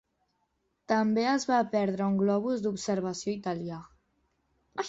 També es va perdre un globus d'observació italià.